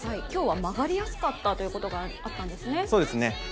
今日は曲がりやすかったということがあったんですね。